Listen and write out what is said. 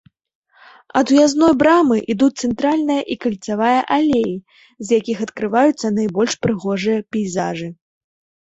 Ад уязной брамы ідуць цэнтральная і кальцавыя алеі, з якіх адкрываюцца найбольш прыгожыя пейзажы.